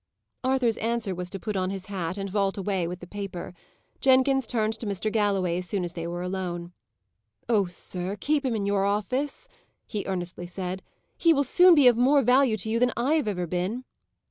Arthur's answer was to put on his hat, and vault away with the paper. Jenkins turned to Mr. Galloway as soon as they were alone. "Oh, sir, keep him in your office!" he earnestly said. "He will soon be of more value to you than I have ever been!"